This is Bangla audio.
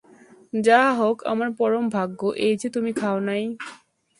যাহা হউক, আমার পরম ভাগ্য এই যে তুমি খাও নাই।